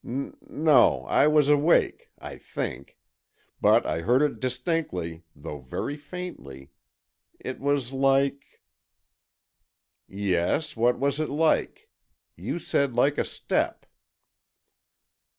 "N no, I was awake—I think. But I heard it distinctly, though very faintly. It was like——" "Yes, what was it like? You said, like a step."